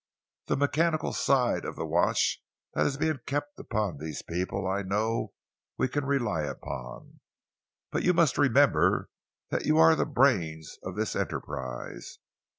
The mechanical side of the watch that is being kept upon these people I know we can rely upon, but you must remember that you are the brains of this enterprise.